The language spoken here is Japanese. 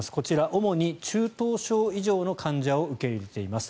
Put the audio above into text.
主に中等症以上の患者を受け入れています。